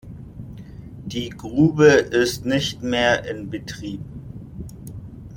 Die Grube ist nicht mehr in Betrieb.